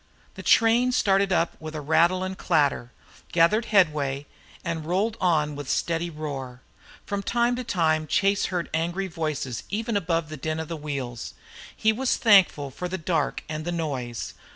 The train started up with a rattle and clatter, gathered headway, and rolled on with steady roar. From time to time Chase heard angry voices even above the din of the wheels. He was thankful for the dark and the noise.